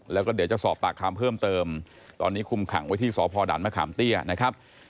แล้วก็เดี๋ยวจะสอบปากคำเพิ่มเติมตอนนี้คุมขังไว้ที่สพด่านมะขามเตี้ยนะครับ